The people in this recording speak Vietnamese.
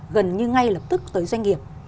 gần như ngay lập tức tới doanh nghiệp